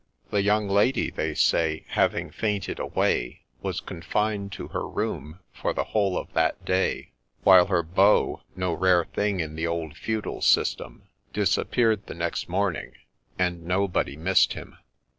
The young lady, they say, Having fainted away, Was confined to her room for the whole of that day ; While her beau — no rare thing hi the old feudal system— Disappear'd the next morning, and nobody miss'd him.